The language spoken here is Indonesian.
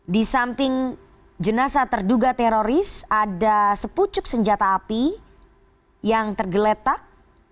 di samping jenazah terduga teroris ada sepucuk senjata api yang tergeletak